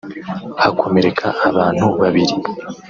hakomereka abantu babiri